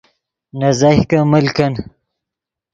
نے زیہکے مل کن